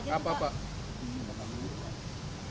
apa aja pak